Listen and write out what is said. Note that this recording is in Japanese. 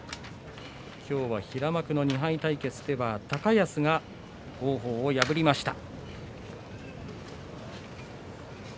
今日は平幕の２敗対決では高安が王鵬を破りました。